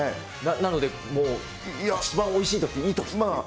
なのでもう、一番おいしいとき、いいとき。